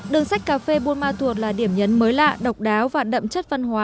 đường sách cà phê buôn ma thuột là điểm nhấn mới lạ độc đáo và đậm chất văn hóa